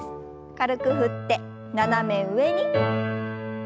軽く振って斜め上に。